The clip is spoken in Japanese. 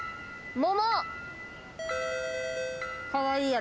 桃。